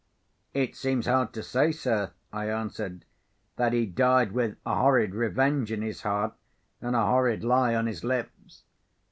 "It seems hard to say, sir," I answered, "that he died with a horrid revenge in his heart, and a horrid lie on his lips.